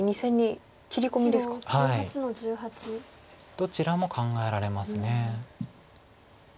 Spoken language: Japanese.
どちらも考えられます。